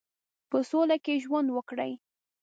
په سوله کې ژوند وکړي.